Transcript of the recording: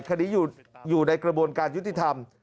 คดีอยู่ในกระบวนการยุติธรรม